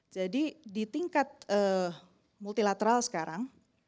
jadi di tingkat multilateral sekarang